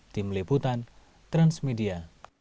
tim liputan transmedia